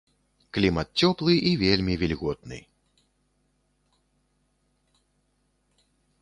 Клімат цёплы і вельмі вільготны.